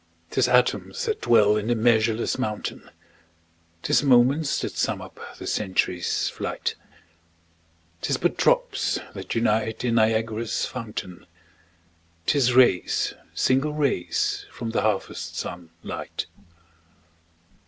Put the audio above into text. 'Tis atoms that dwell in the measureless mountain, 'Tis moments that sum up the century's flight; 'Tis but drops that unite in Niagara's fountain, 'Tis rays, single rays, from the harvest sun light.